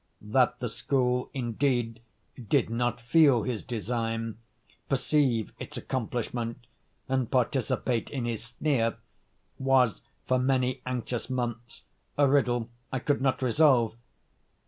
That the school, indeed, did not feel his design, perceive its accomplishment, and participate in his sneer, was, for many anxious months, a riddle I could not resolve.